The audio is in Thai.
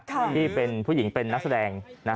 ที่เป็นผู้หญิงเป็นนักแสดง